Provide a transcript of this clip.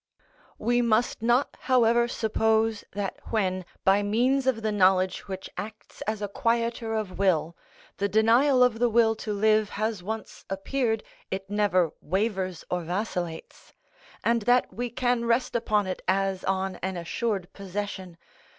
We must not, however, suppose that when, by means of the knowledge which acts as a quieter of will, the denial of the will to live has once appeared, it never wavers or vacillates, and that we can rest upon it as on an assured possession.